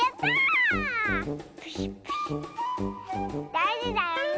だいじだよね。